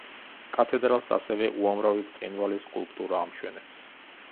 კათედრალს ასევე უამრავი ბრწყინვალე სკულპტურა ამშვენებს.